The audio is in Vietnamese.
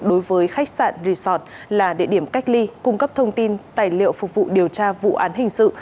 đối với khách sạn resort là địa điểm cách ly cung cấp thông tin tài liệu phục vụ điều tra vụ án hình sự